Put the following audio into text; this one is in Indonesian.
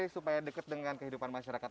sudah gitu tidak perlu pakai paspor kan